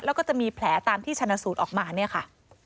แล้วก็จะมีแผลตามที่ชนะสูตรออกมาเนี่ยค่ะ